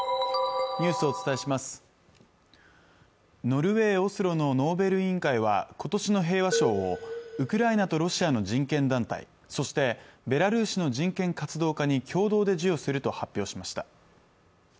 ノルウェー・オスロのノーベル委員会は今年の平和賞をウクライナとロシアの人権団体、そしてベラルーシの人権活動家に共同で授与すると発表しました。